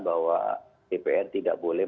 bahwa dpr tidak boleh